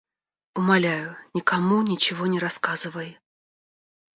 Умоляю, никому ничего не рассказывай.